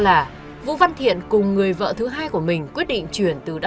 tại đây thiện biến ngôi nhà của mình trở thành bong kè